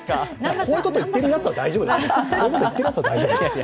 こういうこと言ってるやつは大丈夫だよね。